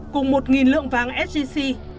cùng một lượng vàng sgc